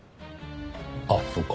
あっそうか。